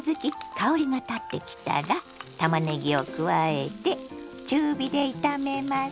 香りがたってきたらたまねぎを加えて中火で炒めます。